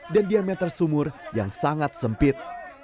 dan diameter sumur yang sangat sempit